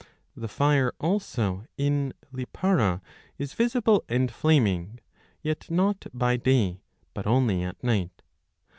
The fire also in Lipara is visible and flaming, yet not by day, but only at night.